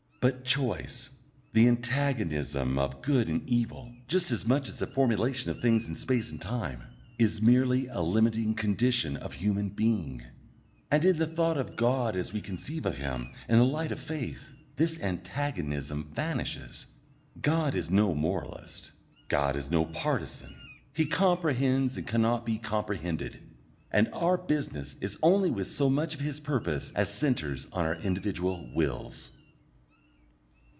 But choice, the antagonism of good and evil, just as much as the formulation of things in space and time, is merely a limiting condition of human being, and in the thought of God as we conceive of Him in the light of faith, this antagonism vanishes. God is no moralist, God is no partisan; He comprehends and cannot be comprehended, and our business is only with so much of His purpose as centres on our individual wills.